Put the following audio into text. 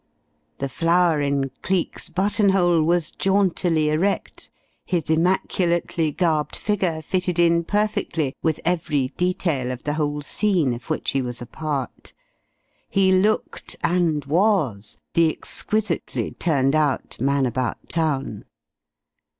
The flower in Cleek's buttonhole was jauntily erect, his immaculately garbed figure fitted in perfectly with every detail of the whole scene of which he was a part. He looked and was the exquisitely turned out man about town.